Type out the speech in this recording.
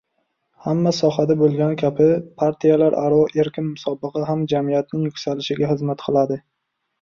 Hamma sohada bo‘lgani kabi, partiyalararo erkin musobaqa ham jamiyatning yuksalishiga xizmat qiladi.